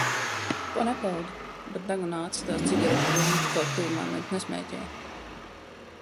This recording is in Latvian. "Ko nepeldi?" Bet degunā atsitās cigarešu dūmi, kaut tuvumā neviens nesmēķēja.